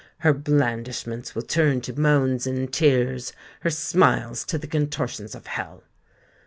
Her blandishments will turn to moans and tears—her smiles to the contortions of hell.